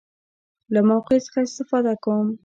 له موقع څخه استفاده کوم.